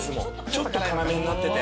ちょっと辛めになってて。